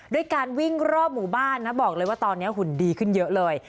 ด้วยการวิ่งรอบหมู่บ้านนะบอกเลยว่าตอนนี้หุ่นดีขึ้นเยอะเลย